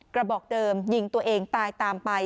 กระบอกเดิมยิงตัวเองตายตามไป